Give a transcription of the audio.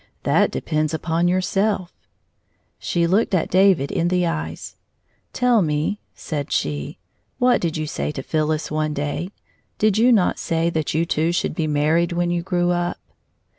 "That depends upon yourself." She looked at David in the eyes. " Tell me," said she, " what did you say to Phyl lis one day? Did you not say that you two should be married when you grew up